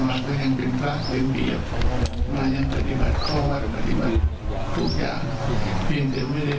ทั้งญาติพี่น้องลูกหลานอัตมาอยู่ที่นั่งยังเหลืออยู่เยอะ